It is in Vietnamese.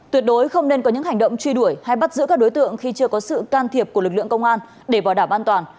tuyệt đối không nên có những hành động truy đuổi hay bắt giữ các đối tượng khi chưa có sự can thiệp của lực lượng công an để bảo đảm an toàn